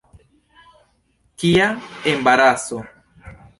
Kia embaraso!